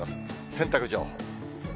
洗濯情報。